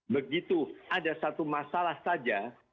begitu ada satu masalah saja